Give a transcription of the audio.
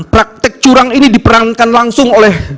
praktek curang ini diperankan langsung oleh